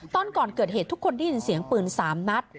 ต้นก่อนเกิดเหตุทุกคนที่ได้ซึ่งเสียงปืนสามนัด